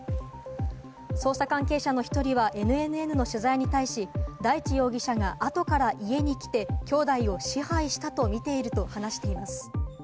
捜査関係者の１人はＮＮＮの取材に対し、大地容疑者が、あとから家に来て、きょうだいを支配したとみていると話しています。